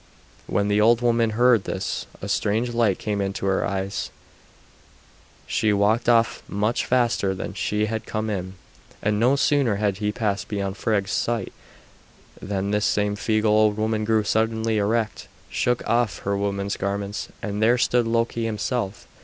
When the old woman heard this a strange light came into her eyes; she walked off much faster than she had come in, and no sooner had she passed beyond Frigg's sight than this same feeble old woman grew suddenly erect, shook off her woman's garments, and there stood Loki himself.